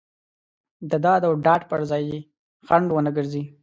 د داد او ډاډ پر ځای یې خنډ ونه ګرځي.